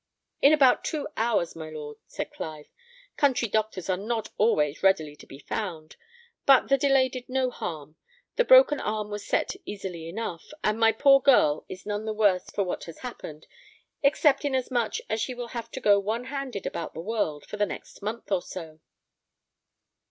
"In about two hours, my lord," said Clive; "country doctors are not always readily to be found; but the delay did no harm; the broken arm was set easily enough, and my poor girl is none the worse for what has happened, except inasmuch as she will have to go one handed about the world for the next month or so."